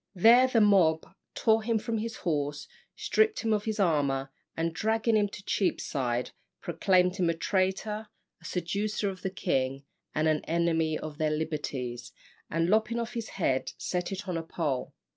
There the mob tore him from his horse, stripped him of his armour, and dragging him to Cheapside, proclaimed him a traitor, a seducer of the king, and an enemy of their liberties, and lopping off his head, set it on a pole.